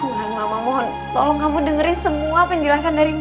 mulan mama mohon tolong kamu dengerin semua penjelasan dari mama